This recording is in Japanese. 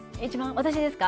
私ですか？